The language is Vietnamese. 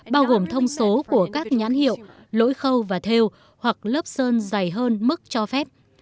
bao gồm thông số của các nhãn hiệu lỗi khâu và theo hoặc lớp sơn dày hơn mức cho phép